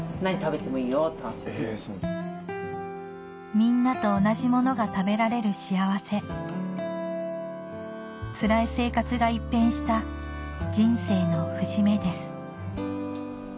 みんなと同じものが食べられる幸せつらい生活が一変した人生の節目です